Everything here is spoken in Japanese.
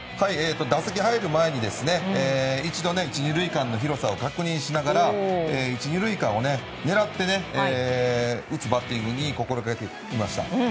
打席に入る前に一度、１、２塁間の広さを確認しながら１、２塁間を狙って打つバッティングを心がけていました。